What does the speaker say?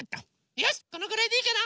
よしこのぐらいでいいかな。